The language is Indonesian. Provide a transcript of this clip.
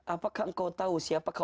apakah engkau tahu siapakah